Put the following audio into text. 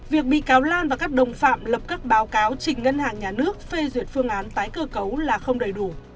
việc bị cáo lan và các đồng phạm lập các báo cáo chỉnh ngân hàng nhà nước phê duyệt phương án tái cơ cấu là không đầy đủ